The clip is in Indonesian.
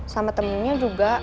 sama temennya juga